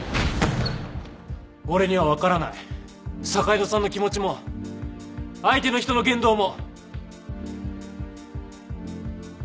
俺には分からない坂井戸さんの気持ちも相手の人の言動も。